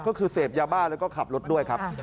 ก็คือเสพยาบ้าแล้วก็ขับรถด้วยครับ